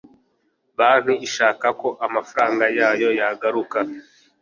banki ishaka ko amafaranga yayo yagaruka